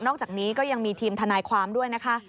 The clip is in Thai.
อกจากนี้ก็ยังมีทีมทนายความด้วยนะคะ